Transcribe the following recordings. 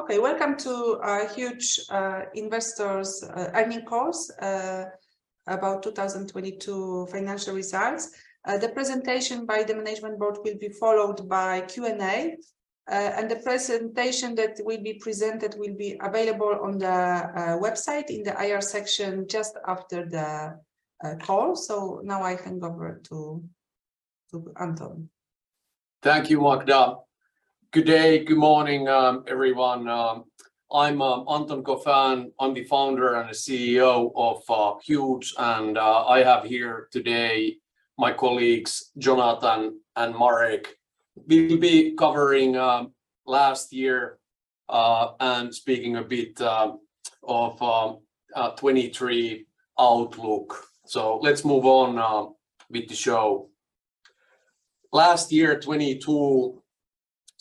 Okay. Welcome to Huuuge investors' earnings calls about 2022 financial results. The presentation by the management board will be followed by Q&A. The presentation that will be presented will be available on the website in the IR section just after the call. Now I can go over to Anton. Thank you Magda. Good day. Good morning, everyone. I'm Anton Gauffin. I'm the founder and CEO of Huuuge, and I have here today my colleagues Jonathan and Marek. We'll be covering last year and speaking a bit of 2023 outlook. Let's move on with the show. Last year,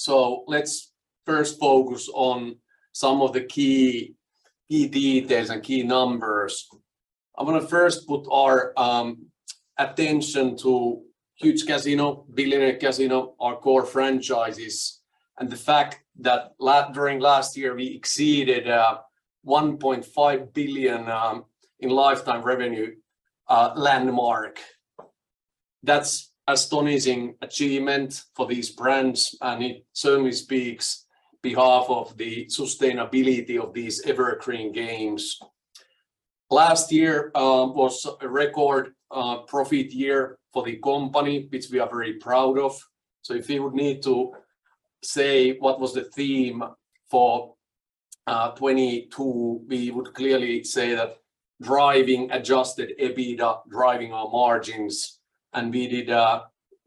2022, let's first focus on some of the key details and key numbers. I'm gonna first put our attention to Huuuge Casino, Billionaire Casino, our core franchises, and the fact that during last year, we exceeded $1.5 billion in lifetime revenue landmark. That's astonishing achievement for these brands, and it certainly speaks behalf of the sustainability of these evergreen games. Last year was a record profit year for the company, which we are very proud of. If you would need to say what was the theme for 2022, we would clearly say that driving adjusted EBITDA, driving our margins, and we did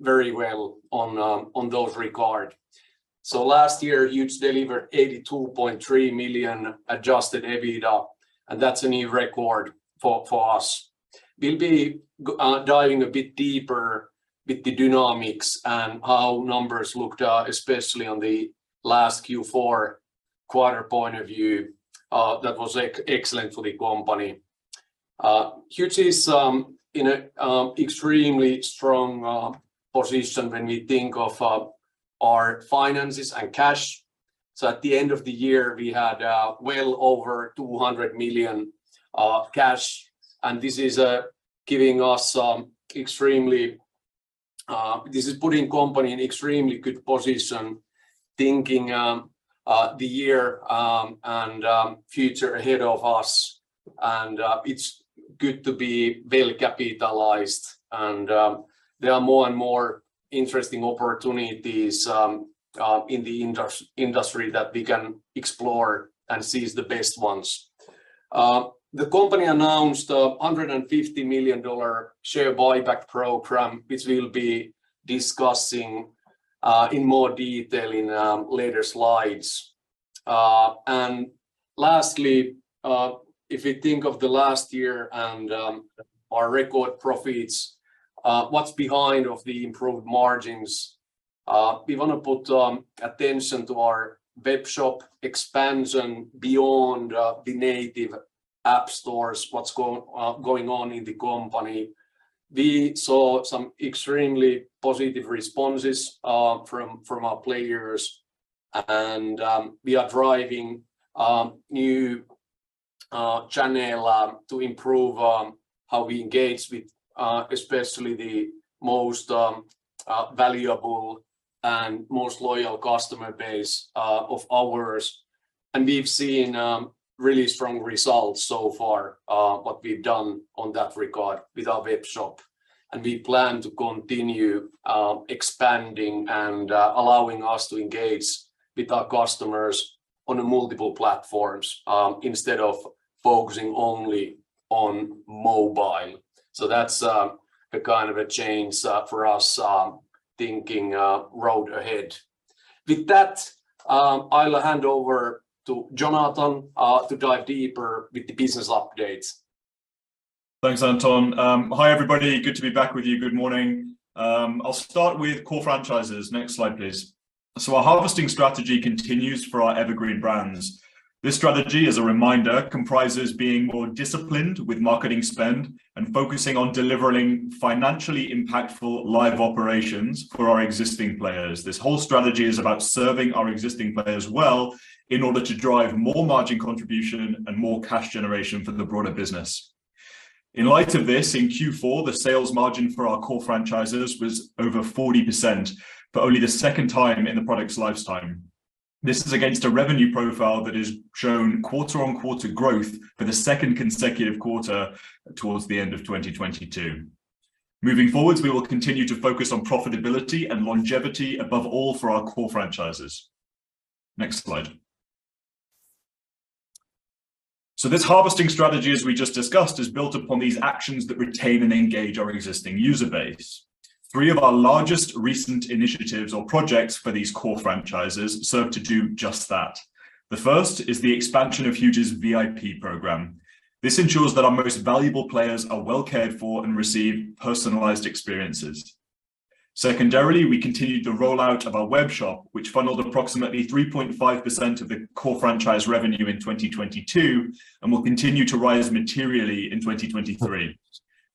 very well on those regard. Last year, Huuuge delivered $82.3 million adjusted EBITDA, and that's a new record for us. We'll be diving a bit deeper with the dynamics and how numbers looked especially on the last Q4 quarter point of view, that was excellent for the company. Huuuge is in an extremely strong position when we think of our finances and cash. At the end of the year, we had well over $200 million cash, this is putting company in extremely good position thinking the year and future ahead of us. It's good to be well-capitalized and there are more and more interesting opportunities in the industry that we can explore and seize the best ones. The Company announced a $150 million share buyback program, which we'll be discussing in more detail in later slides. Lastly, if we think of the last year and our record profits, what's behind of the improved margins? We wanna put attention to our webshop expansion beyond the native app stores, what's going on in the Company. We saw some extremely positive responses from our players and we are driving new channel to improve how we engage with especially the most valuable and most loyal customer base of ours. We've seen really strong results so far, what we've done on that regard with our webshop. We plan to continue expanding and allowing us to engage with our customers on a multiple platforms instead of focusing only on mobile. That's a kind of a change for us thinking road ahead. With that, I'll hand over to Jonathan to dive deeper with the business updates. Thanks, Anton. Hi everybody. Good to be back with you. Good morning. I'll start with core franchises. Next slide, please. Our harvesting strategy continues for our evergreen brands. This strategy, as a reminder, comprises being more disciplined with marketing spend and focusing on delivering financially impactful live operations for our existing players. This whole strategy is about serving our existing players well in order to drive more margin contribution and more cash generation for the broader business. In light of this, in Q4, the sales margin for our core franchises was over 40% for only the second time in the product's lifetime. This is against a revenue profile that has shown quarter-on-quarter growth for the second consecutive quarter towards the end of 2022. Moving forwards, we will continue to focus on profitability and longevity above all for our core franchises. Next slide. This harvesting strategy, as we just discussed, is built upon these actions that retain and engage our existing user base. Three of our largest recent initiatives or projects for these core franchises serve to do just that. The first is the expansion of Huuuge's VIP program. This ensures that our most valuable players are well cared for and receive personalized experiences. Secondarily, we continued the rollout of our webshop, which funneled approximately 3.5% of the core franchise revenue in 2022, and will continue to rise materially in 2023.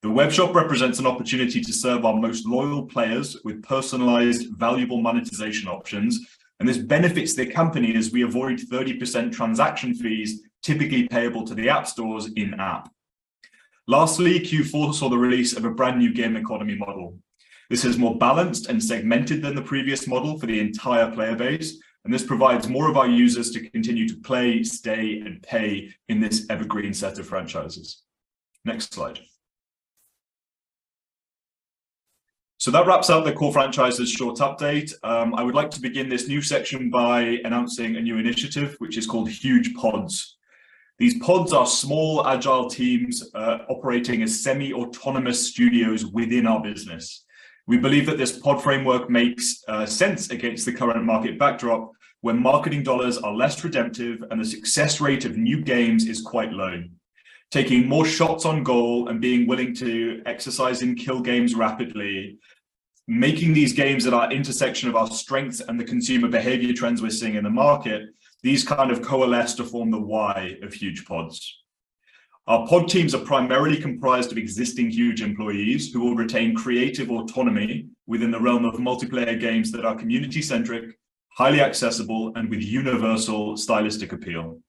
The webshop represents an opportunity to serve our most loyal players with personalized, valuable monetization options, and this benefits the company as we avoid 30% transaction fees typically payable to the app stores in-app. Lastly, Q4 saw the release of a brand-new game economy model. This is more balanced and segmented than the previous model for the entire player base, this provides more of our users to continue to play, stay, and pay in this evergreen set of franchises. Next slide. That wraps up the core franchises short update. I would like to begin this new section by announcing a new initiative, which is called Huuuge Pods. These pods are small, agile teams, operating as semi-autonomous studios within our business. We believe that this pod framework makes sense against the current market backdrop, where marketing dollars are less redemptive and the success rate of new games is quite low. Taking more shots on goal and being willing to exercising kill games rapidly, making these games at our intersection of our strengths and the consumer behavior trends we're seeing in the market, these kind of coalesce to form the why of Huuuge Pods. Our pod teams are primarily comprised of existing Huuuge employees who will retain creative autonomy within the realm of multiplayer games that are community-centric, highly accessible, and with universal stylistic appeal.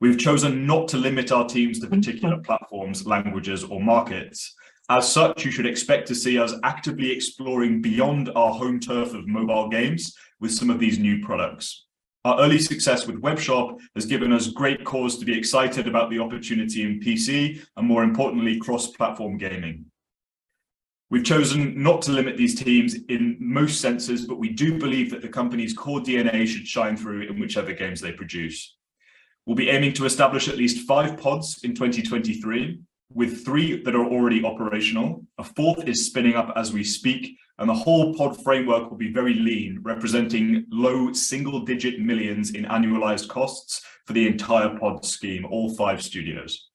We've chosen not to limit our teams to particular platforms, languages, or markets. As such, you should expect to see us actively exploring beyond our home turf of mobile games with some of these new products. Our early success with webshop has given us great cause to be excited about the opportunity in PC and, more importantly, cross-platform gaming. We've chosen not to limit these teams in most senses, we do believe that the company's core DNA should shine through in whichever games they produce. We'll be aiming to establish at least five pods in 2023, with three that are already operational. A fourth is spinning up as we speak, the whole pod framework will be very lean, representing low single-digit millions in annualized costs for the entire pod scheme, all five studios.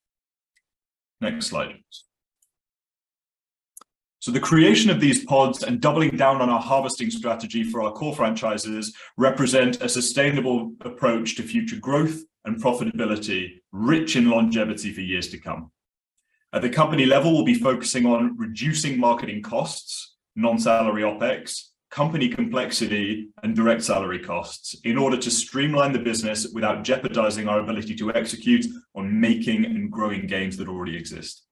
Next slide. The creation of these pods and doubling down on our harvesting strategy for our core franchises represent a sustainable approach to future growth and profitability, rich in longevity for years to come. At the company level, we'll be focusing on reducing marketing costs, non-salary OpEx, company complexity, and direct salary costs in order to streamline the business without jeopardizing our ability to execute on making and growing games that already exist.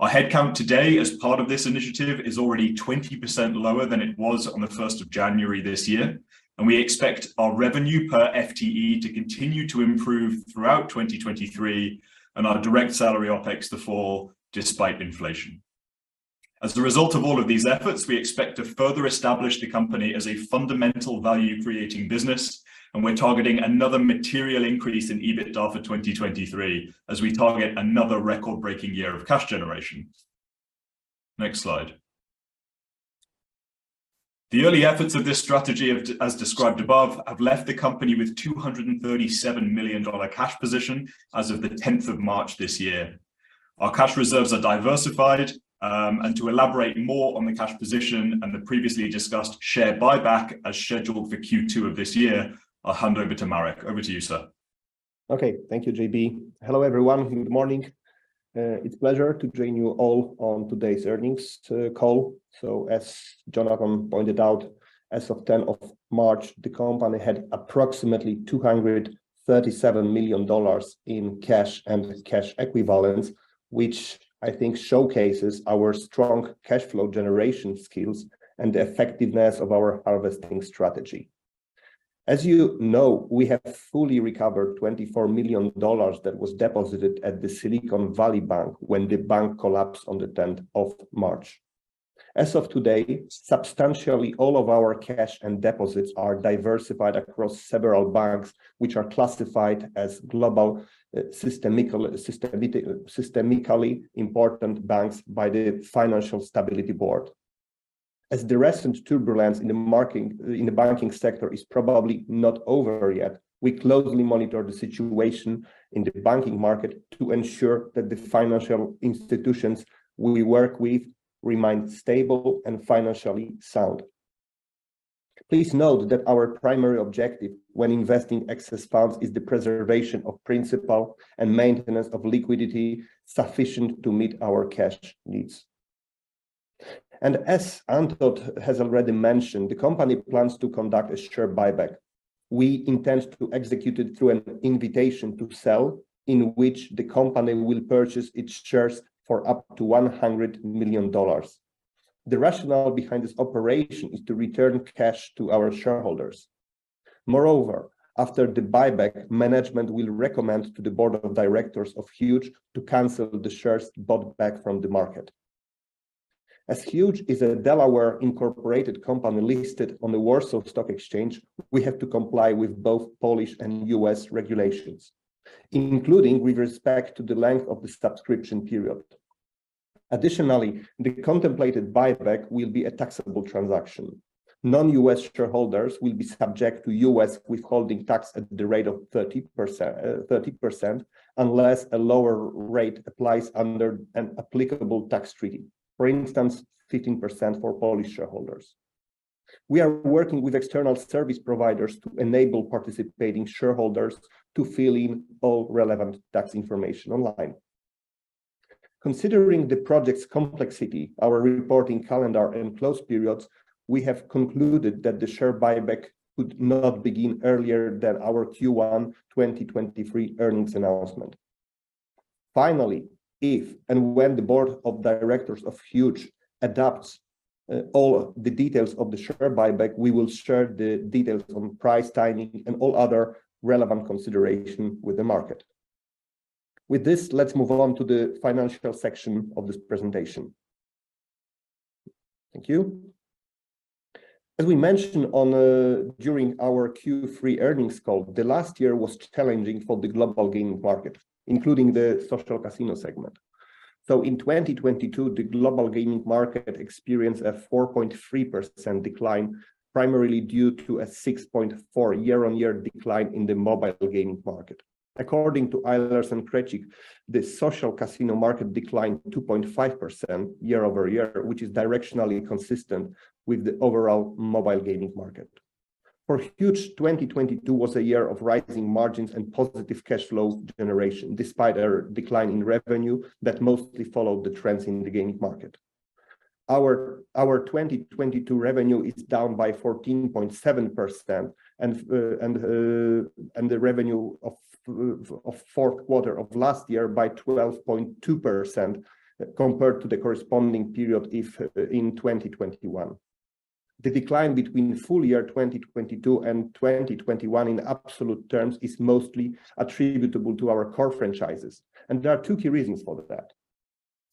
Our headcount today as part of this initiative is already 20% lower than it was on the 1st of January this year, and we expect our revenue per FTE to continue to improve throughout 2023, and our direct salary OpEx to fall despite inflation. As the result of all of these efforts, we expect to further establish the company as a fundamental value-creating business, and we're targeting another material increase in EBITDA for 2023 as we target another record-breaking year of cash generation. Next slide. The early efforts of this strategy, as described above, have left the company with $237 million cash position as of the 10th of March this year. Our cash reserves are diversified, and to elaborate more on the cash position and the previously discussed share buyback as scheduled for Q2 of this year, I'll hand over to Marek. Over to you, sir. Okay. Thank you, JB. Hello, everyone. Good morning. It's pleasure to join you all on today's earnings call. As Jonathan pointed out, as of 10th of March, the company had approximately $237 million in cash and cash equivalents, which I think showcases our strong cash flow generation skills and the effectiveness of our harvesting strategy. As you know, we have fully recovered $24 million that was deposited at the Silicon Valley Bank when the bank collapsed on the 10th of March. As of today, substantially all of our cash and deposits are diversified across several banks, which are classified as global systemically important banks by the Financial Stability Board. As the recent turbulence in the banking sector is probably not over yet, we closely monitor the situation in the banking market to ensure that the financial institutions we work with remain stable and financially sound. Please note that our primary objective when investing excess funds is the preservation of principal and maintenance of liquidity sufficient to meet our cash needs. As Anton has already mentioned, the company plans to conduct a share buyback. We intend to execute it through an invitation to sell, in which the company will purchase its shares for up to $100 million. The rationale behind this operation is to return cash to our shareholders. After the buyback, management will recommend to the board of directors of Huuuge to cancel the shares bought back from the market. As Huuuge is a Delaware-incorporated company listed on the Warsaw Stock Exchange, we have to comply with both Polish and U.S. regulations, including with respect to the length of the subscription period. Additionally, the contemplated buyback will be a taxable transaction. Non-U.S. shareholders will be subject to U.S. withholding tax at the rate of 30% unless a lower rate applies under an applicable tax treaty. For instance, 15% for Polish shareholders. We are working with external service providers to enable participating shareholders to fill in all relevant tax information online. Considering the project's complexity, our reporting calendar, and close periods, we have concluded that the share buyback could not begin earlier than our Q1 2023 earnings announcement. Finally, if and when the board of directors of Huuuge adopts all the details of the share buyback, we will share the details on price, timing, and all other relevant consideration with the market. With this, let's move on to the financial section of this presentation. Thank you. As we mentioned on during our Q3 earnings call, the last year was challenging for the global gaming market, including the social casino segment. In 2022, the global gaming market experienced a 4.3% decline, primarily due to a 6.4% year-on-year decline in the mobile gaming market. According to Eilers & Krejcik, the social casino market declined 2.5% year-over-year, which is directionally consistent with the overall mobile gaming market. For Huuuge, 2022 was a year of rising margins and positive cash flow generation, despite a decline in revenue that mostly followed the trends in the gaming market. Our 2022 revenue is down by 14.7% and the revenue of Q4 of last year by 12.2% compared to the corresponding period if in 2021. The decline between full year 2022 and 2021 in absolute terms is mostly attributable to our core franchises. There are two key reasons for that.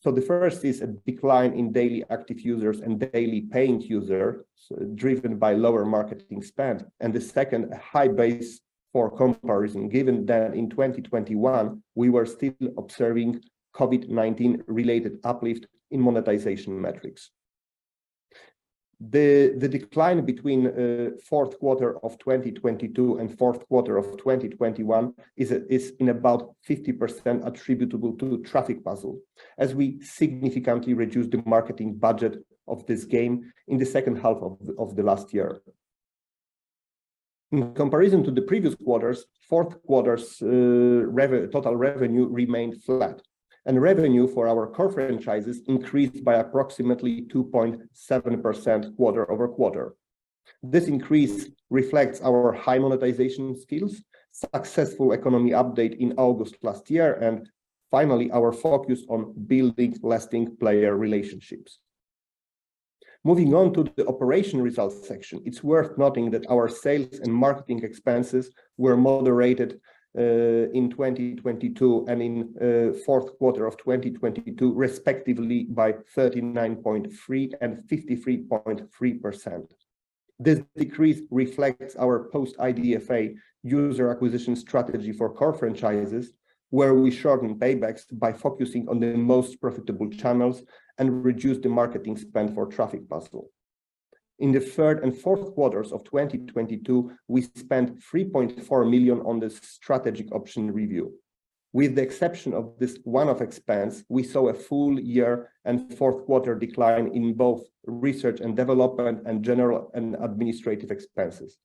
The first is a decline in daily active users and daily paying users, driven by lower marketing spend, and the second, a high base for comparison, given that in 2021 we were still observing COVID-19 related uplift in monetization metrics. The decline between Q4 of 2022 and Q4 of 2021 is in about 50% attributable to Traffic Puzzle as we significantly reduced the marketing budget of this game in the H2 of the last year. In comparison to the previous quarters, Q4's total revenue remained flat. Revenue for our core franchises increased by approximately 2.7% quarter-over-quarter. This increase reflects our high monetization skills, successful economy update in August last year, and finally, our focus on building lasting player relationships. Moving on to the operation results section, it's worth noting that our sales and marketing expenses were moderated in 2022 and in Q4 of 2022, respectively, by 39.3% and 53.3%. This decrease reflects our post-IDFA user acquisition strategy for core franchises, where we shorten paybacks by focusing on the most profitable channels and reduce the marketing spend for Traffic Puzzle. In the third and Q4s of 2022, we spent $3.4 million on the strategic option review. With the exception of this one-off expense, we saw a full year and Q4 decline in both research and development and general and administrative expenses.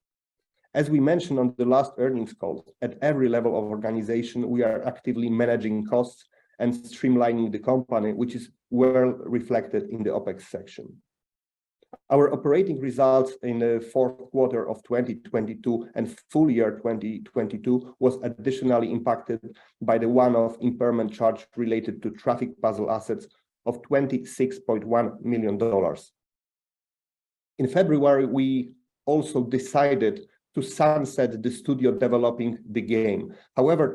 As we mentioned on the last earnings call, at every level of organization, we are actively managing costs and streamlining the company, which is well reflected in the OpEx section. Our operating results in the Q4 of 2022 and full year 2022 was additionally impacted by the one-off impairment charge related to Traffic Puzzle assets of $26.1 million. In February, we also decided to sunset the studio developing the game.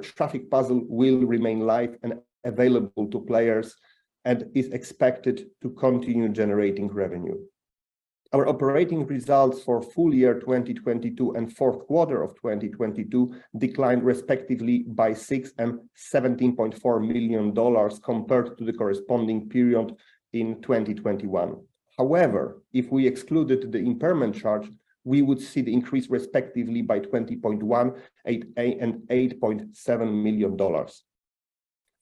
Traffic Puzzle will remain live and available to players and is expected to continue generating revenue. Our operating results for full year 2022 and Q4 of 2022 declined respectively by $6 million and $17.4 million compared to the corresponding period in 2021. However, if we excluded the impairment charge, we would see the increase respectively by $20.1 and $8.7 million.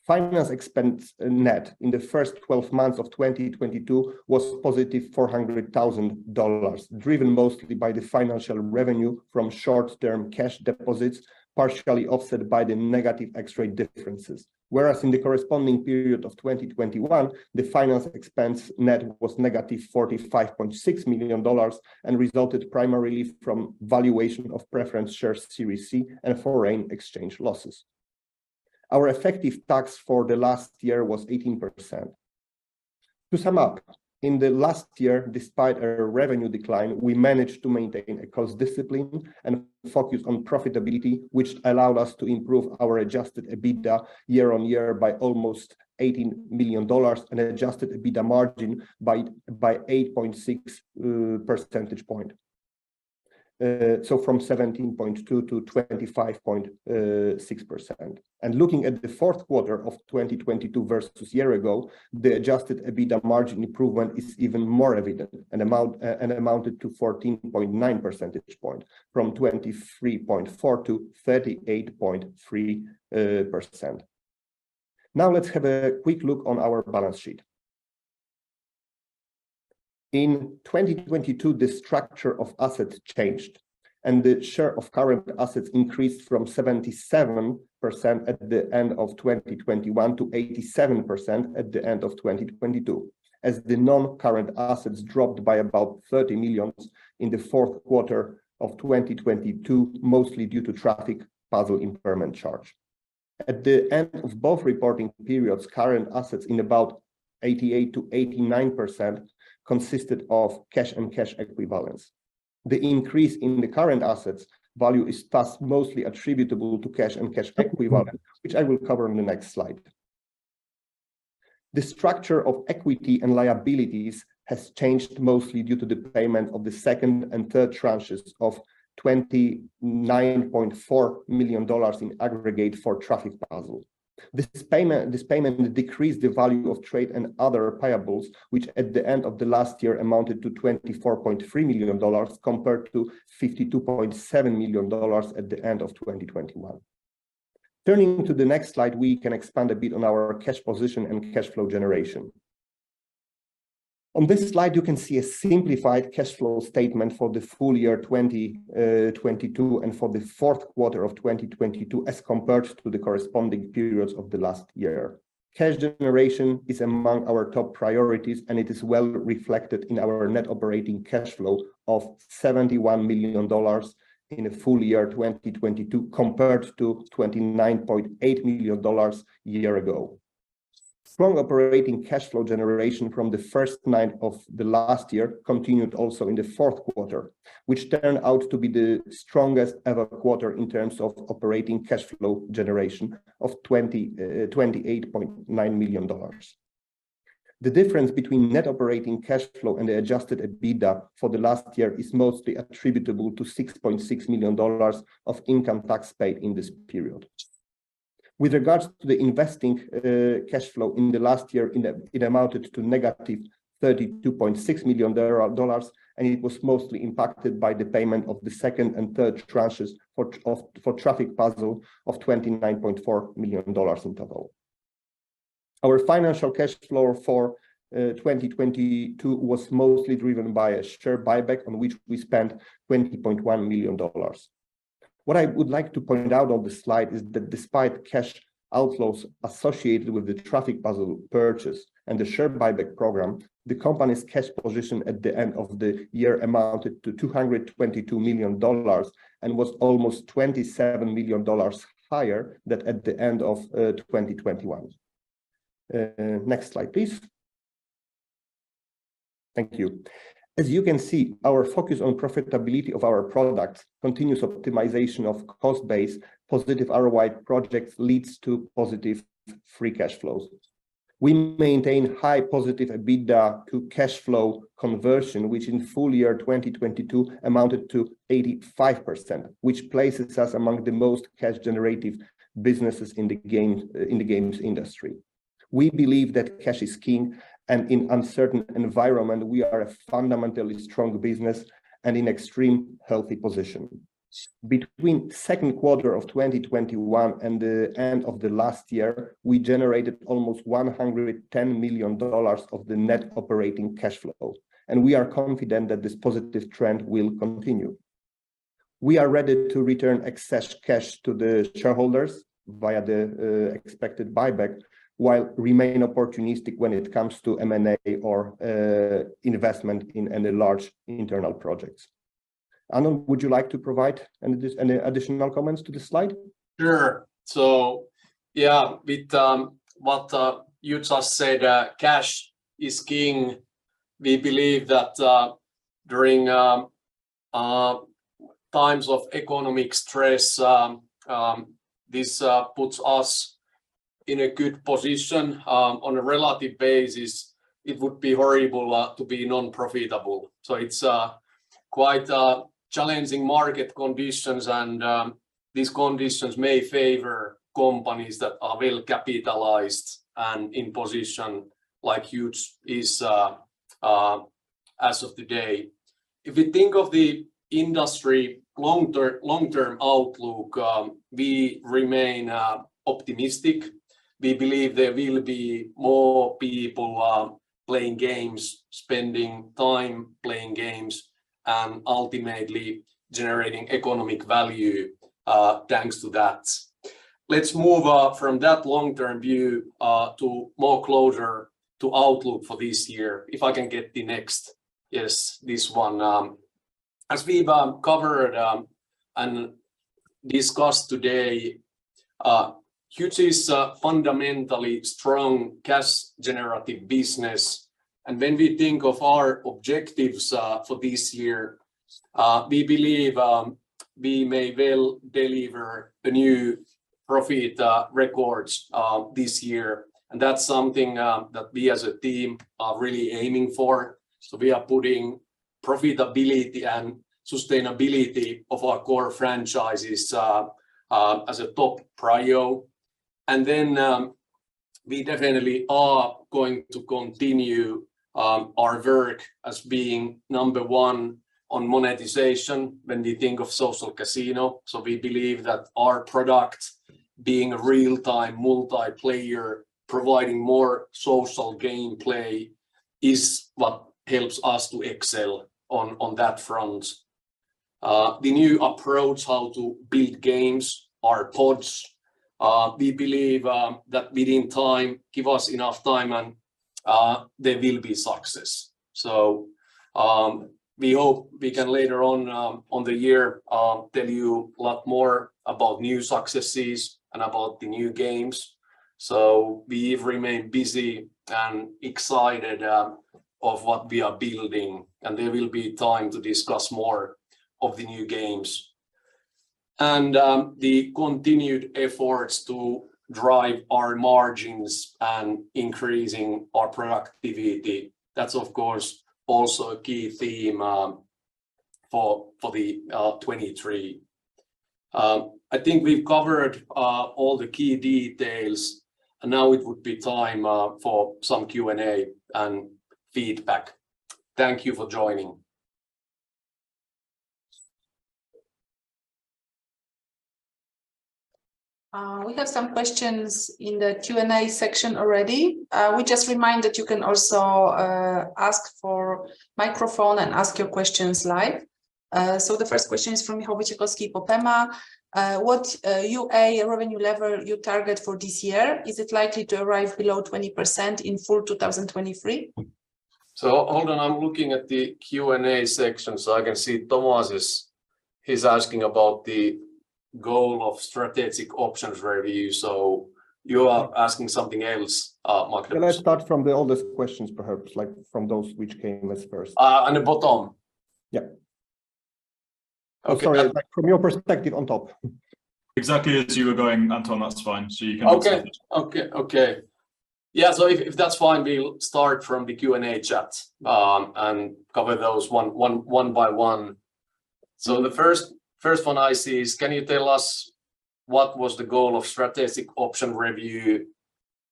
Finance expense net in the first 12 months of 2022 was positive $400,000, driven mostly by the financial revenue from short-term cash deposits, partially offset by the negative X-rate differences. Whereas in the corresponding period of 2021, the finance expense net was negative $45.6 million and resulted primarily from valuation of preference shares Series C and foreign exchange losses. Our effective tax for the last year was 18%. To sum up, in the last year, despite a revenue decline, we managed to maintain a cost discipline and focus on profitability, which allowed us to improve our adjusted EBITDA year-on-year by almost $80 million and adjusted EBITDA margin by 8.6 percentage point. From 17.2 to 25.6%. Looking at the Q4 of 2022 versus a year ago, the adjusted EBITDA margin improvement is even more evident, and amounted to 14.9 percentage point from 23.4% to 38.3%. Now let's have a quick look on our balance sheet. In 2022, the structure of assets changed, and the share of current assets increased from 77% at the end of 2021 to 87% at the end of 2022, as the non-current assets dropped by about $30 million in the Q4 of 2022, mostly due to Traffic Puzzle impairment charge. At the end of both reporting periods, current assets in about 88%-89% consisted of cash and cash equivalents. The increase in the current assets value is thus mostly attributable to cash and cash equivalents, which I will cover in the next slide. The structure of equity and liabilities has changed mostly due to the payment of the second and third tranches of $29.4 million in aggregate for Traffic Puzzle. This payment decreased the value of trade and other payables, which at the end of the last year amounted to $24.3 million compared to $52.7 million at the end of 2021. Turning to the next slide, we can expand a bit on our cash position and cash flow generation. On this slide, you can see a simplified cash flow statement for the full year 2022 and for the Q4 of 2022 as compared to the corresponding periods of the last year. Cash generation is among our top priorities. It is well reflected in our net operating cash flow of $71 million in the full year 2022 compared to $29.8 million a year ago. Strong operating cash flow generation from the first nine of the last year continued also in the Q4, which turned out to be the strongest ever quarter in terms of operating cash flow generation of $28.9 million. The difference between net operating cash flow and the adjusted EBITDA for the last year is mostly attributable to $6.6 million of income tax paid in this period. With regards to the investing, cash flow in the last year, it amounted to negative $32.6 million. It was mostly impacted by the payment of the second and third tranches for Traffic Puzzle of $29.4 million in total. Our financial cash flow for 2022 was mostly driven by a share buyback on which we spent $20.1 million. What I would like to point out on this slide is that despite cash outflows associated with the Traffic Puzzle purchase and the share buyback program, the company's cash position at the end of the year amounted to $222 million and was almost $27 million higher than at the end of 2021. Next slide, please. Thank you. As you can see, our focus on profitability of our products, continuous optimization of cost base, positive ROI projects leads to positive free cash flows. We maintain high positive EBITDA to cash flow conversion, which in full year 2022 amounted to 85%, which places us among the most cash generative businesses in the games industry. We believe that cash is king, and in uncertain environment, we are a fundamentally strong business and in extreme healthy position. Between Q2 of 2021 and the end of the last year, we generated almost $110 million of the net operating cash flows, and we are confident that this positive trend will continue. We are ready to return excess cash to the shareholders via the expected buyback, while remain opportunistic when it comes to M&A or investment in any large internal projects. Anton, would you like to provide any additional comments to this slide? Sure. Yeah, with what you just said, cash is king, we believe that during times of economic stress, this puts us in a good position. On a relative basis, it would be horrible to be non-profitable. It's quite challenging market conditions, and these conditions may favor companies that are well capitalized and in position like Huuuge is as of today. If we think of the industry long-term outlook, we remain optimistic. We believe there will be more people playing games, spending time playing games, and ultimately generating economic value thanks to that. Let's move from that long-term view to more closer to outlook for this year. If I can get the next. Yes, this one. As we've covered and discussed today, Huuuge is a fundamentally strong cash generative business. When we think of our objectives for this year, we believe we may well deliver the new profit records this year, and that's something that we as a team are really aiming for. We are putting profitability and sustainability of our core franchises as a top prio. We definitely are going to continue our work as being number one on monetization when we think of social casino. We believe that our product, being a real-time multiplayer, providing more social gameplay, is what helps us to excel on that front. The new approach how to build games are pods. We believe that with time, give us enough time, they will be success. We hope we can later on on the year tell you a lot more about new successes and about the new games. We've remained busy and excited of what we are building, and there will be time to discuss more of the new games. The continued efforts to drive our margins and increasing our productivity, that's of course also a key theme for 2023. I think we've covered all the key details, and now it would be time for some Q&A and feedback. Thank you for joining. We have some questions in the Q&A section already. We just remind that you can also ask for microphone and ask your questions live. The first question is from Michał Wojciechowski. What UA revenue level you target for this year? Is it likely to arrive below 20% in full 2023? Hold on. I'm looking at the Q&A section. I can see Thomas. He's asking about the goal of strategic options review. You are asking something else, Marek. Can I start from the oldest questions perhaps, like from those which came first? On the bottom. Yeah. Okay. Sorry, from your perspective, on top. Exactly as you were going, Anton, that's fine. You can. Okay. Okay, okay. Yeah, if that's fine, we'll start from the Q&A chat, and cover those one by one. The first one I see is, can you tell us what was the goal of strategic option review?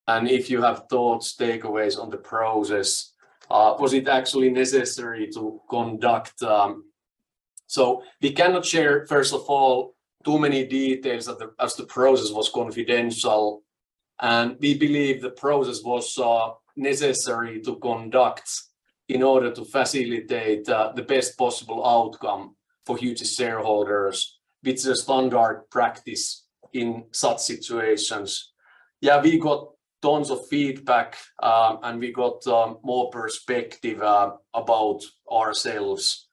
If you have thoughts, takeaways on the process, was it actually necessary to conduct? We cannot share, first of all, too many details as the process was confidential. We believe the process was necessary to conduct in order to facilitate the best possible outcome for Huuuge shareholders. It's a standard practice in such situations. Yeah, we got tons of feedback, and we got more perspective about ourselves.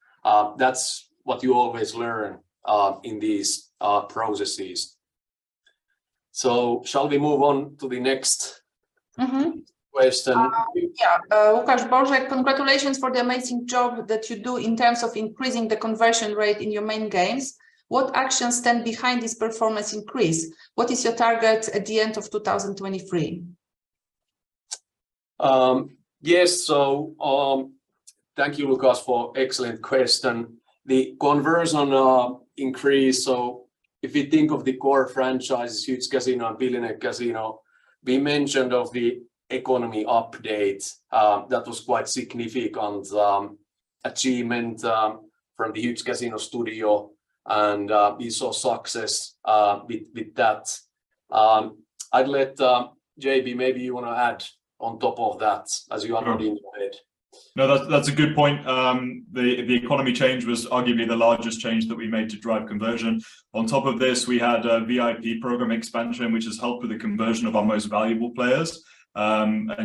That's what you always learn in these processes. Shall we move on to the next? Mm-hmm Question? Yeah. Łukasz Kosiarski, congratulations for the amazing job that you do in terms of increasing the conversion rate in your main games. What actions stand behind this performance increase? What is your target at the end of 2023? Yes. Thank you, Łukasz for excellent question. The conversion increase, so if you think of the core franchises, Huuuge Casino and Billionaire Casino, we mentioned of the economy update that was quite significant achievement from the Huuuge Casino Studio, and we saw success with that. I'd let J.B., maybe you wanna add on top of that as you are. Sure More involved. No, that's a good point. The economy change was arguably the largest change that we made to drive conversion. On top of this, we had a VIP program expansion, which has helped with the conversion of our most valuable players.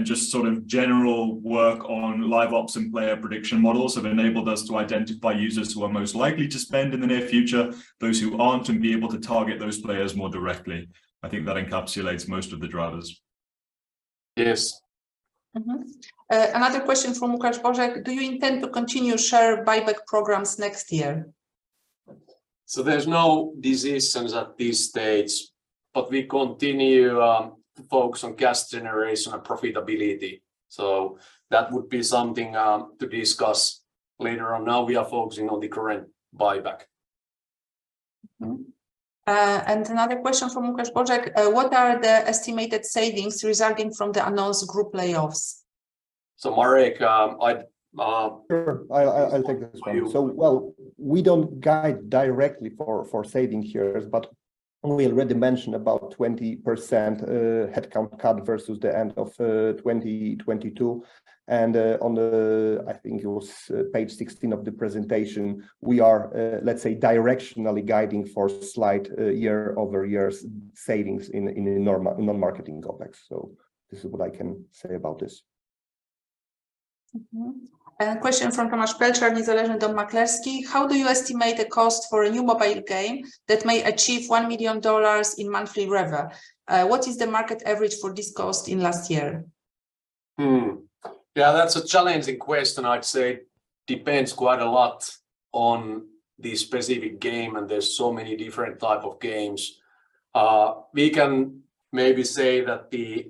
Just sort of general work on live ops and player prediction models have enabled us to identify users who are most likely to spend in the near future, those who aren't, and be able to target those players more directly. I think that encapsulates most of the drivers. Yes. Another question from Łukasz Kosiarski. Do you intend to continue share buyback programs next year? There's no decisions at this stage, but we continue to focus on cash generation and profitability. That would be something to discuss later on. We are focusing on the current buyback. Another question from Łukasz Kosiarski. What are the estimated savings resulting from the announced group layoffs? Marek. Sure. I take this one. Well, we don't guide directly for savings here, but we already mentioned about 20% headcount cut versus the end of 2022. On the, I think it was page 16 of the presentation, we are, let's say directionally guiding for slight year-over-year savings in normal, in non-marketing complex. This is what I can say about this. A question from Tomasz Pelcar, niezalezny dom maklerski. How do you estimate the cost for a new mobile game that may achieve $1 million in monthly revenue? What is the market average for this cost in last year? Yeah, that's a challenging question. I'd say depends quite a lot on the specific game, and there's so many different type of games. We can maybe say that the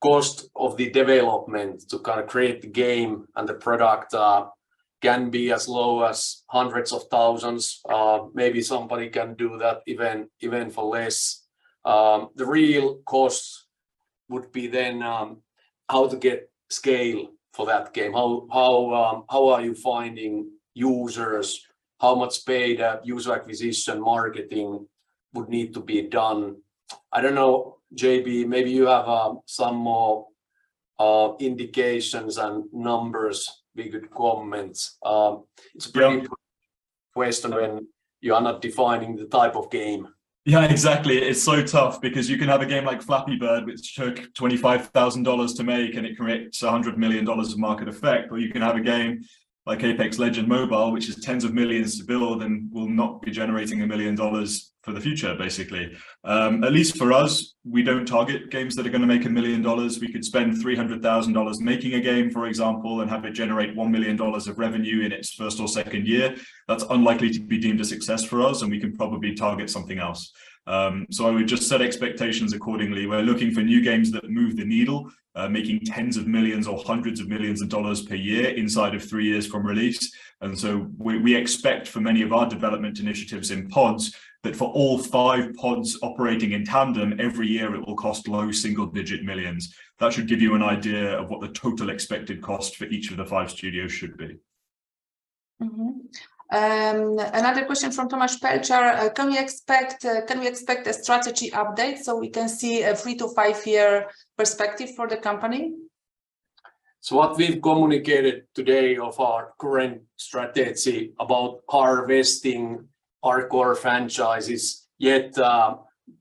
cost of the development to kind of create the game and the product can be as low as hundreds of thousands. Maybe somebody can do that even for less. The real cost would be then how to get scale for that game. How are you finding users? How much paid app user acquisition marketing would need to be done? I don't know, J.B., maybe you have some more indications and numbers, maybe good comments. It's a very. Yeah Question when you are not defining the type of game. Yeah, exactly. It's so tough because you can have a game like Flappy Bird, which took $25,000 to make, and it creates $100 million of market effect, or you can have a game like Apex Legends Mobile, which is tens of millions of dollars to build and will not be generating $1 million for the future, basically. At least for us, we don't target games that are gonna make $1 million. We could spend $300,000 making a game, for example, and have it generate $1 million of revenue in its first or second year. That's unlikely to be deemed a success for us, and we can probably target something else. I would just set expectations accordingly. We're looking for new games that move the needle, making tens of millions or hundreds of millions of dollars per year inside of three years from release. We expect for many of our development initiatives in Pods that for all five Pods operating in tandem every year, it will cost low single-digit millions. That should give you an idea of what the total expected cost for each of the five studios should be. Another question from Tomasz Pelcar. Can we expect a strategy update so we can see a three to five year perspective for the company? What we've communicated today of our current strategy about harvesting our core franchises, yet,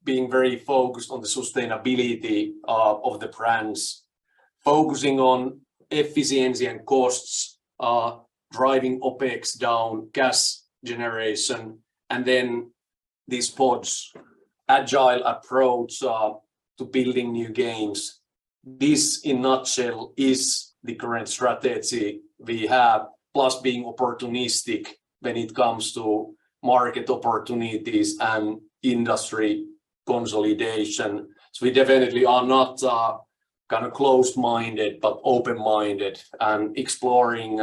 being very focused on the sustainability of the brands, focusing on efficiency and costs, driving OpEx down, gas generation, and then these pods, agile approach, to building new games. This, in nutshell, is the current strategy we have, plus being opportunistic when it comes to market opportunities and industry consolidation. We definitely are not, kind of closed-minded, but open-minded and exploring,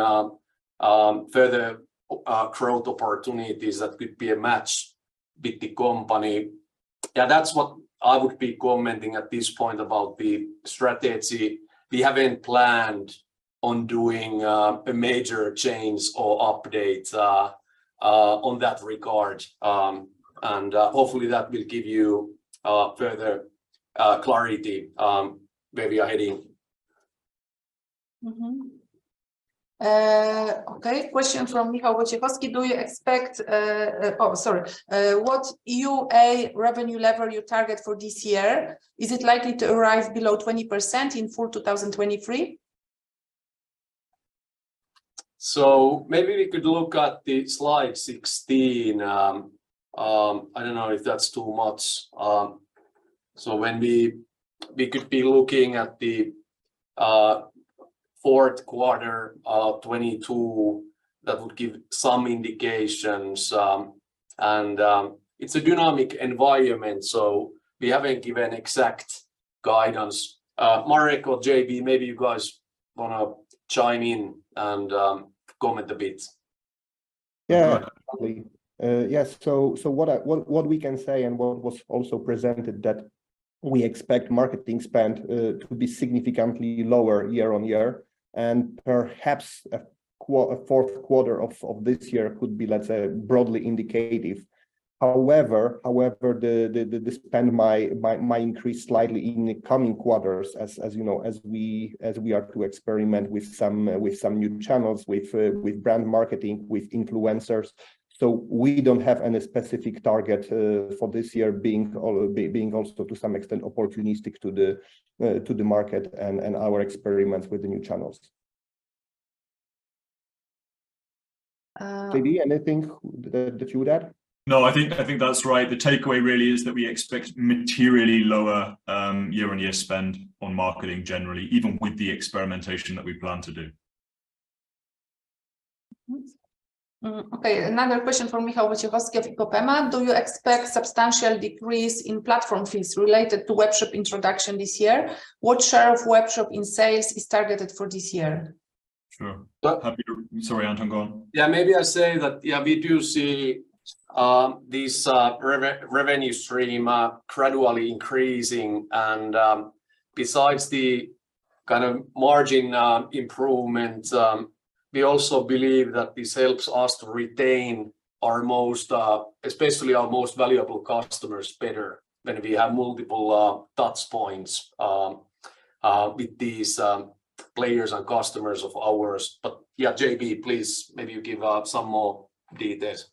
further growth opportunities that could be a match with the company. That's what I would be commenting at this point about the strategy. We haven't planned on doing a major change or update on that regard. Hopefully that will give you further clarity where we are heading. Okay. Question from Michał Wojciechowski. Oh, sorry. What UA revenue level you target for this year? Is it likely to rise below 20% in full 2023? Maybe we could look at the slide 16. I don't know if that's too much. When we could be looking at the Q4 of 2022, that would give some indications. It's a dynamic environment, so we haven't given exact guidance. Marek or JB, maybe you guys wanna chime in and comment a bit. Yeah. Yes. What we can say and what was also presented that we expect marketing spend to be significantly lower year-on-year, and perhaps a Q4 of this year could be, let's say, broadly indicative. However, the spend might increase slightly in the coming quarters as you know, as we are to experiment with some new channels, with brand marketing, with influencers. We don't have any specific target for this year being also to some extent opportunistic to the market and our experiments with the new channels. Uh- J.B., anything that you would add? No, I think, I think that's right. The takeaway really is that we expect materially lower, year-on-year spend on marketing generally, even with the experimentation that we plan to do. Okay, another question from Michał Wojciechowski of IPOPEMA. Do you expect substantial decrease in platform fees related to webshop introduction this year? What share of webshop in sales is targeted for this year? Sure. Happy. That. Sorry, Anton, go on. Yeah, maybe I say that, yeah, we do see this revenue stream gradually increasing, and besides the kind of margin improvement, we also believe that this helps us to retain our most, especially our most valuable customers better when we have multiple touchpoints with these players and customers of ours. Yeah, J.B., please, maybe you give some more details.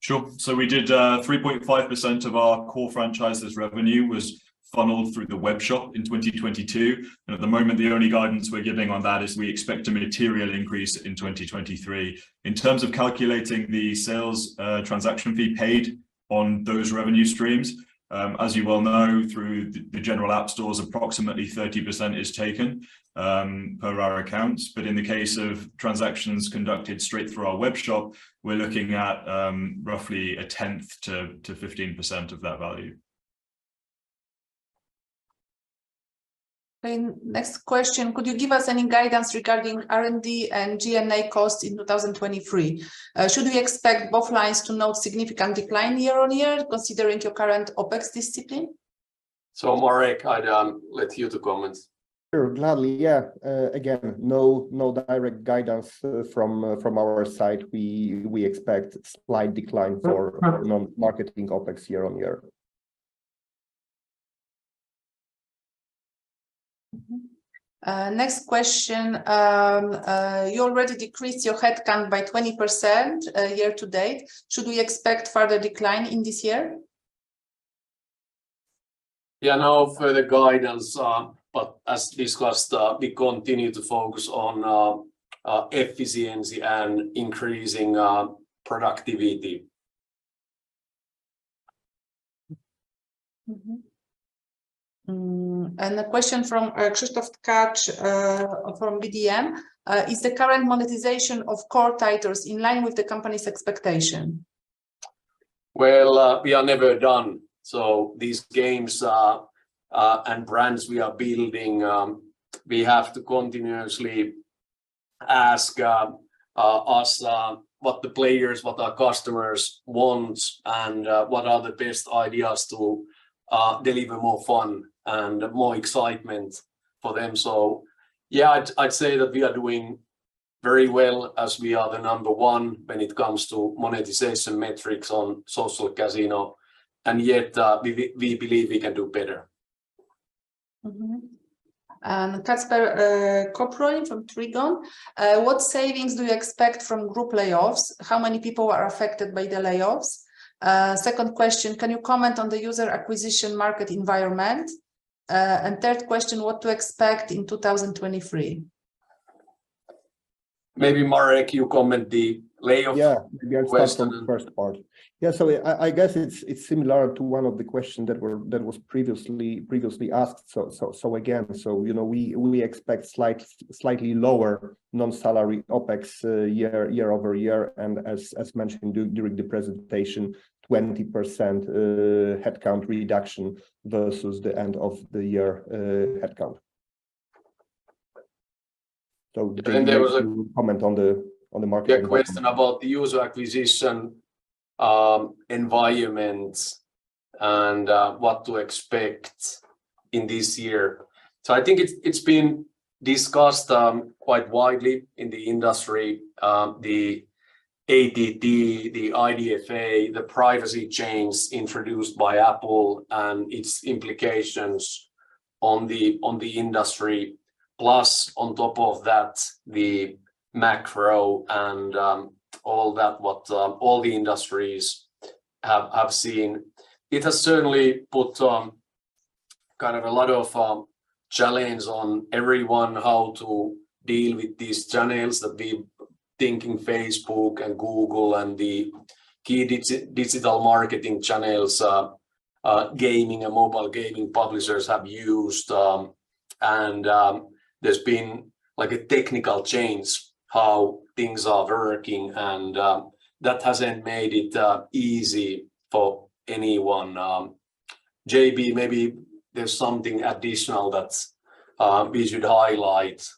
Sure. We did 3.5% of our core franchises revenue was funneled through the webshop in 2022, and at the moment, the only guidance we're giving on that is we expect a material increase in 2023. In terms of calculating the sales transaction fee paid on those revenue streams, as you well know, through the general app stores, approximately 30% is taken per our accounts. In the case of transactions conducted straight through our webshop, we're looking at roughly a tenth to 15% of that value. Next question, could you give us any guidance regarding R&D and G&A costs in 2023? Should we expect both lines to note significant decline year-on-year considering your current OpEx discipline? Marek, I'd let you to comment. Sure. Gladly, yeah. No direct guidance from our side. We expect slight decline. Perfect. Non-marketing OpEx year-on-year. Next question. You already decreased your headcount by 20% year to date. Should we expect further decline in this year? Yeah, no further guidance. As discussed, we continue to focus on efficiency and increasing productivity. A question from Krzysztof Kaczmarczyk from BDM. Is the current monetization of core titles in line with the company's expectation? We are never done. These games, and brands we are building, we have to continuously ask us what the players, what our customers want, and what are the best ideas to deliver more fun and more excitement for them. Yeah, I'd say that we are doing very well as we are the number one when it comes to monetization metrics on social casino, yet, we believe we can do better. Mm-hmm. Kacper Koproń from Trigon. What savings do you expect from group layoffs? How many people are affected by the layoffs? Second question, can you comment on the user acquisition market environment? Third question, what to expect in 2023? Maybe Marek, you comment the layoffs. Yeah Question. We can start on the first part. Yeah. I guess it's similar to one of the question that was previously asked. You know, we expect slightly lower non-salary OpEx year-over-year, and as mentioned during the presentation, 20% headcount reduction versus the end of the year headcount. Then there was. You comment on the market environment. Yeah, question about the user acquisition environment and what to expect in this year. I think it's been discussed quite widely in the industry, the ATT, the IDFA, the privacy change introduced by Apple and its implications on the industry, plus on top of that, the macro and all that, what all the industries have seen. It has certainly put kind of a lot of challenge on everyone how to deal with these channels, we thinking Facebook and Google, and the key digital marketing channels gaming and mobile gaming publishers have used, and there's been like a technical change how things are working, and that hasn't made it easy for anyone. JB maybe there's something additional that we should highlight.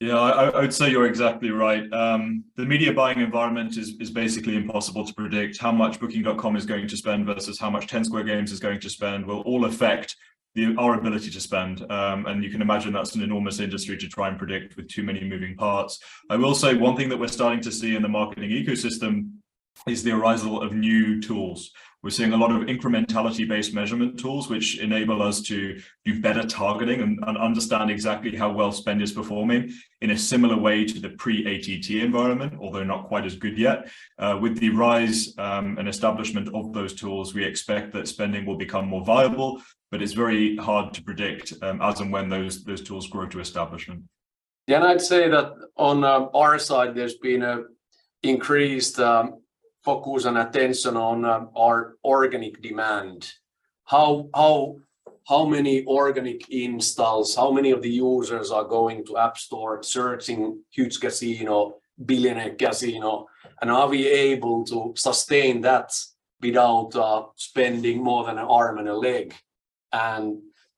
Yeah. I'd say you're exactly right. The media buying environment is basically impossible to predict how much booking.com is going to spend versus how much Ten Square Games is going to spend will all affect our ability to spend. You can imagine that's an enormous industry to try and predict with too many moving parts. I will say one thing that we're starting to see in the marketing ecosystem is the rise of new tools. We're seeing a lot of incrementality based measurement tools, which enable us to do better targeting and understand exactly how well spend is performing in a similar way to the pre ATT environment, although not quite as good yet. With the rise, and establishment of those tools, we expect that spending will become more viable, but it's very hard to predict, as and when those tools grow to establishment. Yeah. I'd say that on our side, there's been an increased focus and attention on our organic demand. How many organic installs, how many of the users are going to App Store searching Huuuge Casino, Billionaire Casino, and are we able to sustain that without spending more than an arm and a leg?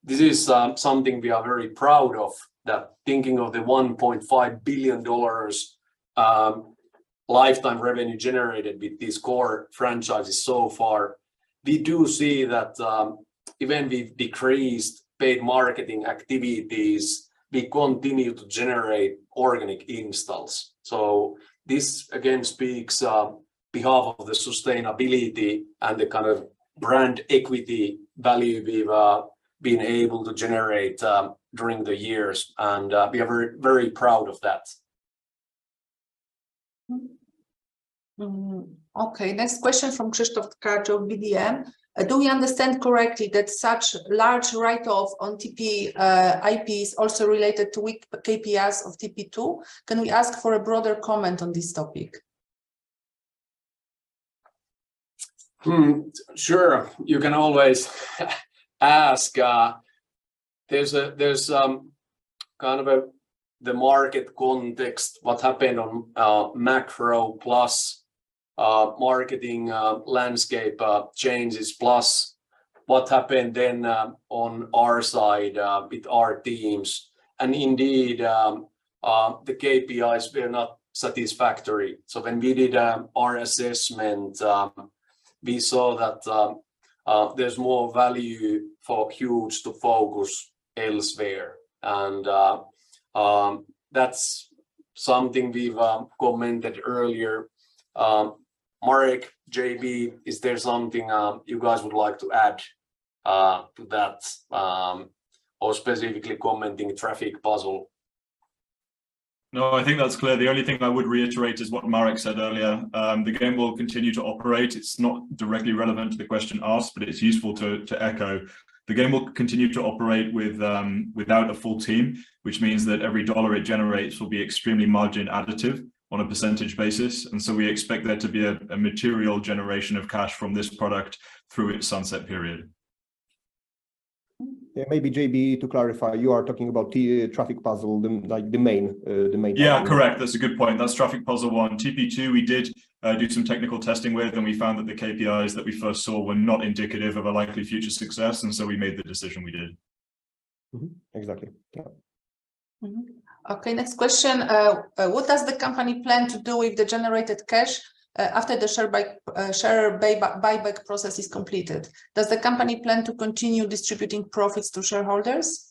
This is something we are very proud of, that thinking of the $1.5 billion lifetime revenue generated with these core franchises so far. We do see that even we've decreased paid marketing activities, we continue to generate organic installs. This again speaks behalf of the sustainability and the kind of brand equity value we've been able to generate during the years, we are very, very proud of that. Okay. Next question from Krzysztof Kaczmarczyk of BDM. Do we understand correctly that such large write-off on TPIP is also related to weak KPIs of TP2? Can we ask for a broader comment on this topic? Sure. You can always ask. There's a, there's kind of a, the market context, what happened on macro plus marketing landscape changes, plus what happened then on our side with our teams. Indeed, the KPIs were not satisfactory. When we did our assessment, we saw that there's more value for Huuuge to focus elsewhere, and that's something we've commented earlier. Marek, JB, is there something you guys would like to add to that or specifically commenting Traffic Puzzle? No, I think that's clear. The only thing I would reiterate is what Marek said earlier. The game will continue to operate. It's not directly relevant to the question asked, but it's useful to echo. The game will continue to operate with, without a full team, which means that every dollar it generates will be extremely margin additive on a percentage basis. We expect there to be a material generation of cash from this product through its sunset period. Yeah. Maybe JB, to clarify, you are talking about the Traffic Puzzle, the, like, the main, the main one. Yeah. Correct. That's a good point. That's Traffic Puzzle 1. TP2, we did do some technical testing with, and we found that the KPIs that we first saw were not indicative of a likely future success, and so we made the decision we did. Mm-hmm. Exactly. Yeah. Okay. Next question. What does the company plan to do with the generated cash, after the shareback, share buyback process is completed? Does the company plan to continue distributing profits to shareholders?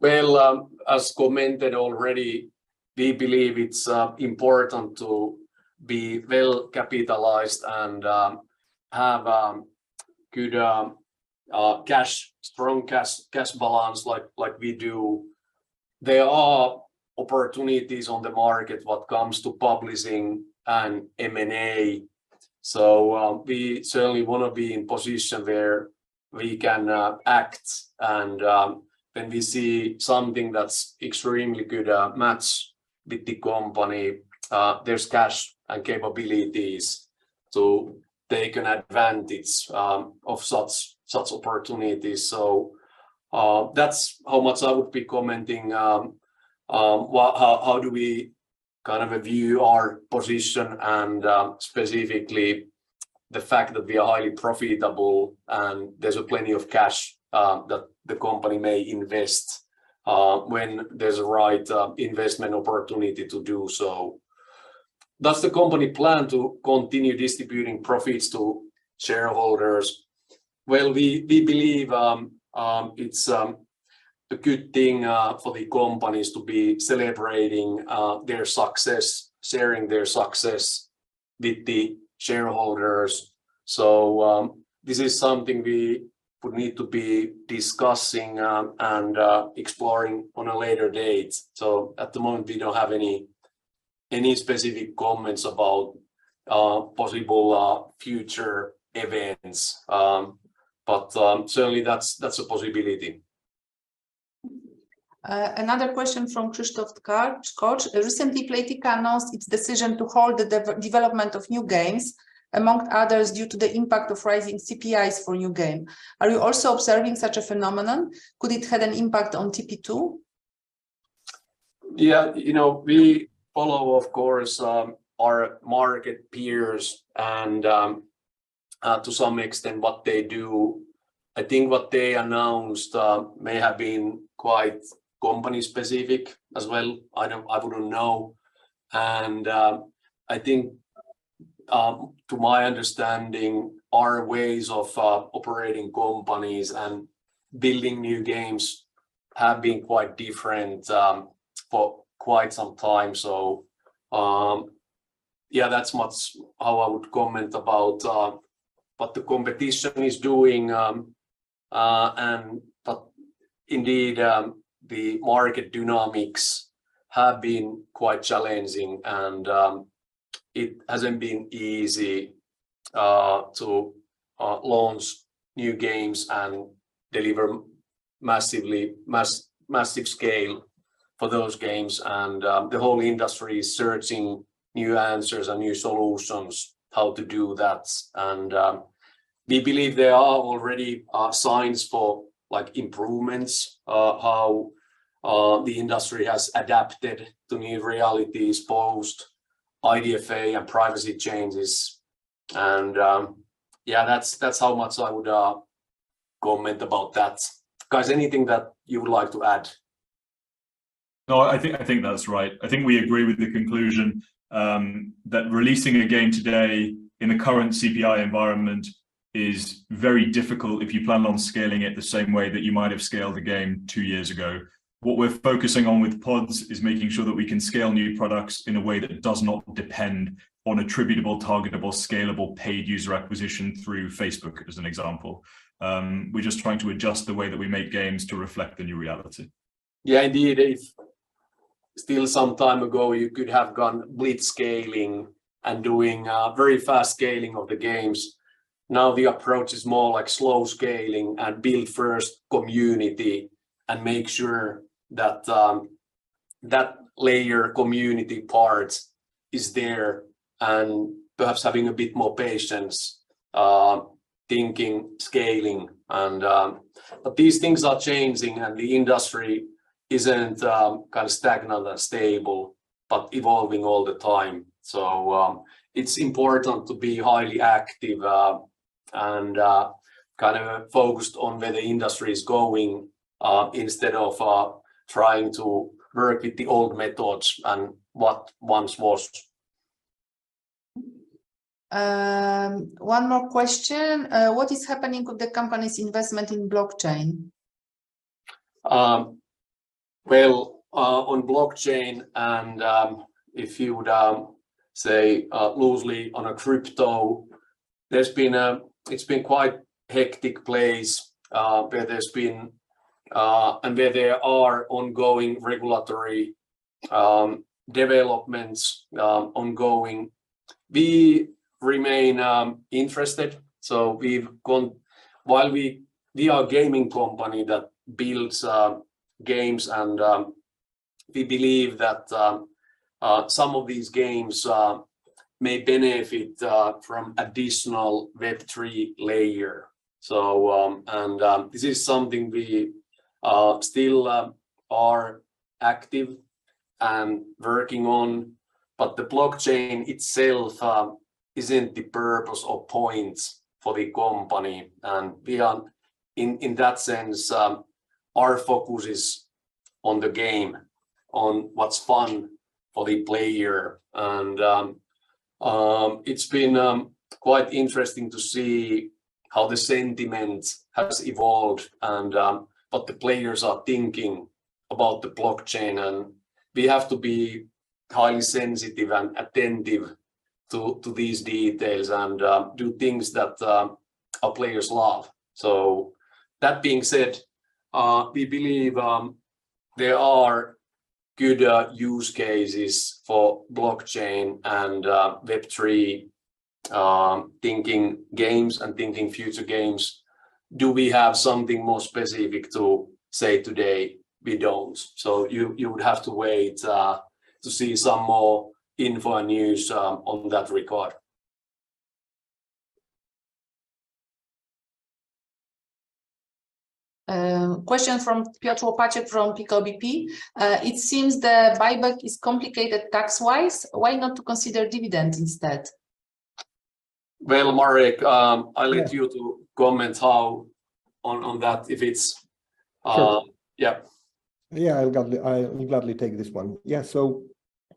Well, as commented already, we believe it's important to be well capitalized and have good cash, strong cash balance, like we do. There are opportunities on the market what comes to publishing and M&A, so we certainly wanna be in position where we can act, and when we see something that's extremely good match with the company, there's cash and capabilities to take an advantage of such opportunities. That's how much I would be commenting how do we kind of view our position, and specifically the fact that we are highly profitable, and there's plenty of cash that the company may invest when there's a right investment opportunity to do so. Does the company plan to continue distributing profits to shareholders? Well, we believe, it's a good thing for the companies to be celebrating their success, sharing their success with the shareholders. This is something we would need to be discussing and exploring on a later date. At the moment, we don't have any specific comments about possible future events. Certainly that's a possibility. Another question from Krzysztof Kaczmarczyk. Recently, Playtika announced its decision to halt the development of new games, amongst others, due to the impact of rising CPIs for new game. Are you also observing such a phenomenon? Could it have an impact on TP2? Yeah. You know, we follow, of course, our market peers and to some extent what they do. I think what they announced may have been quite company specific as well. I wouldn't know. I think, to my understanding, our ways of operating companies and building new games have been quite different for quite some time. Yeah, that's much how I would comment about what the competition is doing. Indeed, the market dynamics have been quite challenging, and it hasn't been easy to launch new games and deliver massively, massive scale for those games. The whole industry is searching new answers and new solutions how to do that. We believe there are already signs for, like, improvements, how the industry has adapted to new realities post IDFA and privacy changes. Yeah, that's how much I would comment about that. Guys, anything that you would like to add? No, I think that's right. I think we agree with the conclusion that releasing a game today in the current CPI environment is very difficult if you plan on scaling it the same way that you might have scaled a game two years ago. What we're focusing on with Huuuge Pods is making sure that we can scale new products in a way that does not depend on attributable, targetable, scalable, paid user acquisition through Facebook, as an example. We're just trying to adjust the way that we make games to reflect the new reality. Indeed. If still some time ago you could have gone blitzscaling and doing very fast scaling of the games, now the approach is more like slow scaling, and build first community, and make sure that layer community part is there, and perhaps having a bit more patience, thinking scaling. These things are changing, and the industry isn't kind of stagnant and stable, but evolving all the time. It's important to be highly active, and kind of focused on where the industry is going, instead of trying to work with the old methods and what once was. One more question. What is happening with the company's investment in blockchain? Well, on blockchain, if you would say loosely on a crypto, it's been quite hectic place where there's been and where there are ongoing regulatory developments ongoing. We remain interested. While we are a gaming company that builds games, we believe that some of these games may benefit from additional Web3 layer. This is something we still are active and working on, but the blockchain itself isn't the purpose or point for the company. In that sense, our focus is on the game, on what's fun for the player. It's been quite interesting to see how the sentiment has evolved and what the players are thinking about the blockchain. We have to be highly sensitive and attentive to these details and do things that our players love. That being said, we believe there are good use cases for blockchain and Web3, thinking games and thinking future games. Do we have something more specific to say today? We don't. You would have to wait to see some more info news on that regard. Question from Piotr Łopaciuk from PKO BP. It seems the buyback is complicated tax-wise. Why not to consider dividend instead? Marek, I'll let you to comment how on that, if it's. Sure. Yeah. Yeah, I'll gladly take this one. Yeah,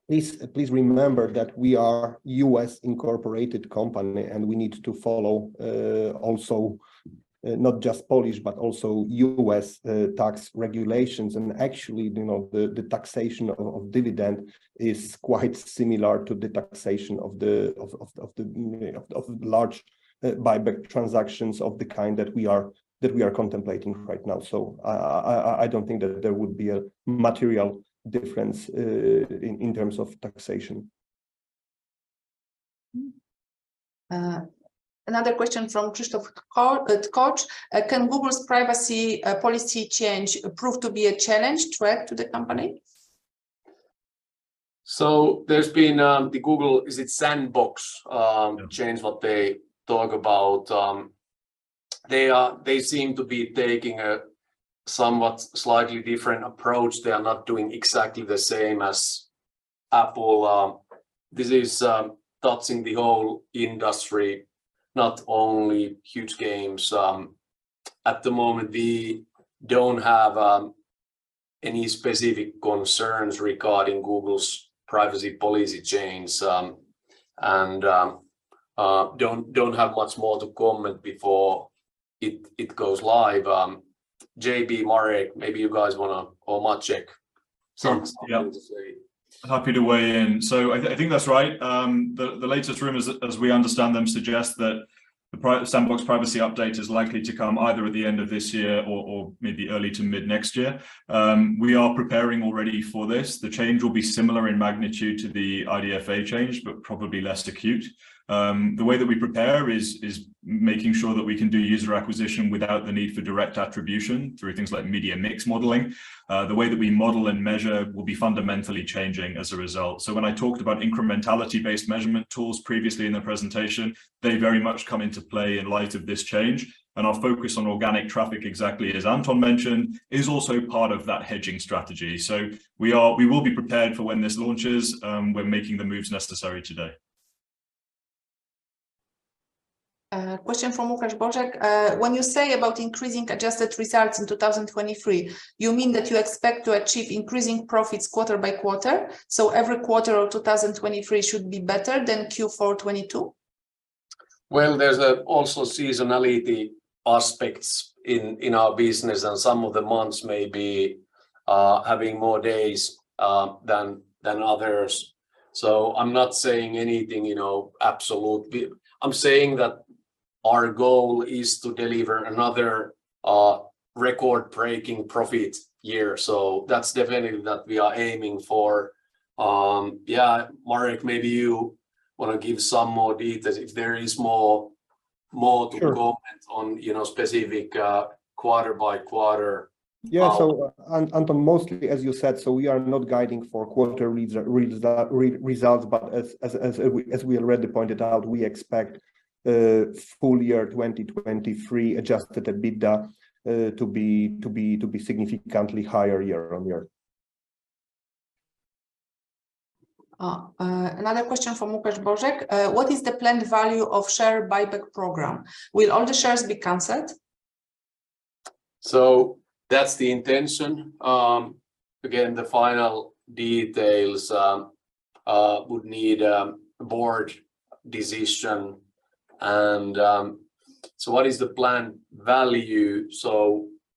please remember that we are U.S.-incorporated company, and we need to follow also not just polish, but also U.S. tax regulations. Actually, you know, the taxation of dividend is quite similar to the taxation of the large buyback transactions of the kind that we are contemplating right now. I don't think that there would be a material difference in terms of taxation. Another question from Krzysztof Kosiński. Can Google's privacy policy change prove to be a challenge threat to the company? There's been the Google, is it Sandbox, change, what they talk about. They seem to be taking a somewhat slightly different approach. They are not doing exactly the same as Apple. This is touching the whole industry, not only Huuuge Games. At the moment, we don't have any specific concerns regarding Google's privacy policy change, and don't have much more to comment before it goes live. JB, Marek, maybe you guys wanna, or Maciek have something to say. Sure, yeah. Happy to weigh in. I think that's right. The latest rumors as we understand them suggest that the Sandbox privacy update is likely to come either at the end of this year or maybe early to mid next year. We are preparing already for this. The change will be similar in magnitude to the IDFA change but probably less acute. The way that we prepare is making sure that we can do user acquisition without the need for direct attribution through things like media mix modeling. The way that we model and measure will be fundamentally changing as a result. When I talked about incrementality-based measurement tools previously in the presentation, they very much come into play in light of this change, and our focus on organic traffic, exactly as Anton mentioned, is also part of that hedging strategy. We will be prepared for when this launches. We're making the moves necessary today. Question from Łukasz Boczek. When you say about increasing adjusted results in 2023, you mean that you expect to achieve increasing profits quarter by quarter, so every quarter of 2023 should be better than Q4 2022? There's also seasonality aspects in our business, and some of the months may be having more days than others. I'm not saying anything, you know, absolute. I'm saying that our goal is to deliver another record-breaking profit year, that's definitely that we are aiming for. Yeah, Marek, maybe you wanna give some more detail if there is more to comment on, you know, specific quarter by quarter. Anton, mostly as you said, we are not guiding for quarter read results. As we already pointed out, we expect full year 2023 adjusted EBITDA to be significantly higher year-on-year. Another question from Łukasz Wachełko. What is the planned value of share buyback program? Will all the shares be canceled? That's the intention. Again, the final details would need board decision. What is the planned value?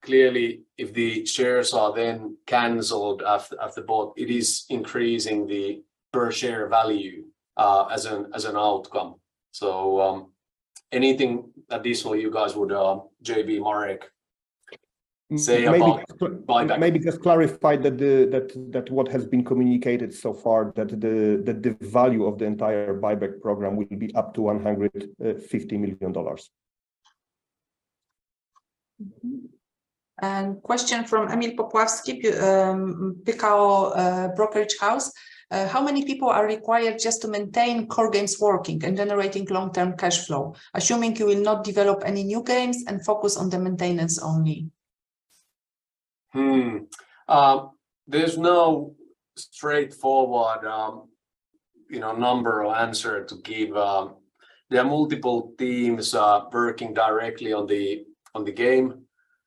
Clearly if the shares are then canceled after bought, it is increasing the per share value as an outcome. Anything additionally you guys would JB, Marek, say about buyback? Maybe just clarify that what has been communicated so far that the value of the entire buyback program will be up to $150 million. Question from Emil Popławski, PKO Brokerage House. How many people are required just to maintain Core Games working and generating long-term cash flow, assuming you will not develop any new games and focus on the maintenance only? Hmm. There's no straightforward, you know, number or answer to give. There are multiple teams working directly on the game.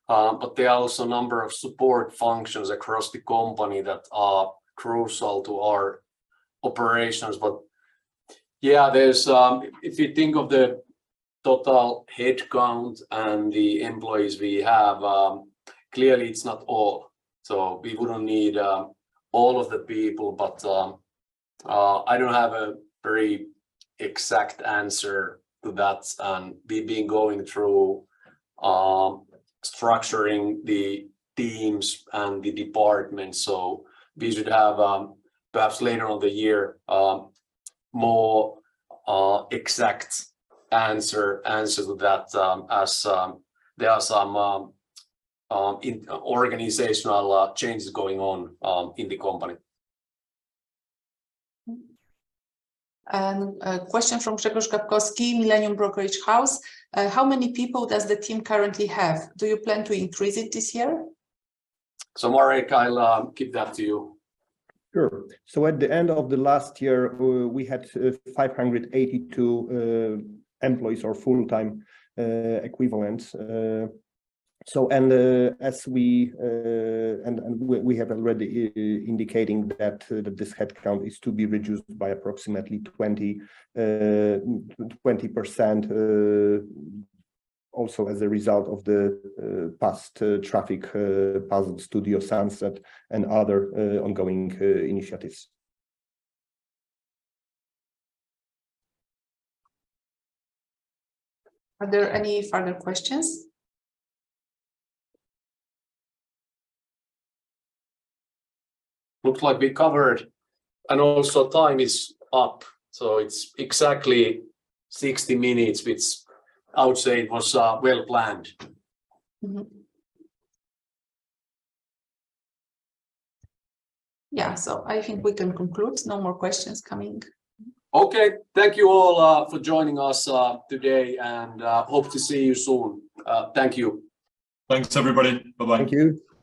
There are also a number of support functions across the company that are crucial to our operations. Yeah, there's, if you think of the total head count and the employees we have, clearly it's not all. We wouldn't need all of the people, but I don't have a very exact answer to that. We've been going through structuring the teams and the departments, so we should have perhaps later on the year, more exact answer to that, as there are some organizational changes going on in the company. A question from Przemysław Kąpczyński, Millennium Dom Maklerski SA. How many people does the team currently have? Do you plan to increase it this year? Marek, I'll give that to you. At the end of the last year, we had 582 employees, or full-time equivalents. As we have already indicating that this headcount is to be reduced by approximately 20%, also as a result of the PAST Traffic Puzzle Studio Sunset and other ongoing initiatives. Are there any further questions? Looks like we covered, and also time is up, so it's exactly 60 minutes, which I would say it was well planned. Mm-hmm. Yeah. I think we can conclude. No more questions coming. Okay. Thank you all for joining us today. Hope to see you soon. Thank you. Thanks everybody. Bye-bye. Thank you.